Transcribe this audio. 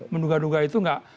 menduga duga itu gak